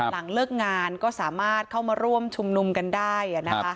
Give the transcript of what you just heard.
หลังเลิกงานก็สามารถเข้ามาร่วมชุมนุมกันได้